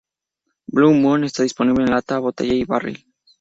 Blue Moon está disponible en lata, botella y barril.